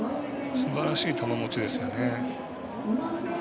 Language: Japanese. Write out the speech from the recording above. すばらしい球もちですよね。